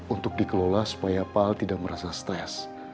untuk dikelola supaya pak al tidak merasa stres